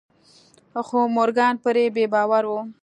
خو مورګان پرې بې باوره و.